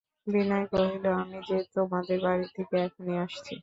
বিনয় কহিল, আমি যে তোমাদের বাড়ি থেকে এখনই আসছি।